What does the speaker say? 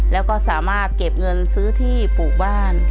แล้วก็สามารถเก็บเงินซื้อที่ปลูกบ้าน